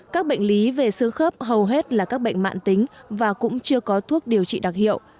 các bệnh lý về sơ khớp hầu hết là các bệnh mạng tính và cũng chưa có thuốc điều trị đặc hiệu